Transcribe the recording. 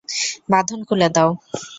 বাঁধন খুলে দাও।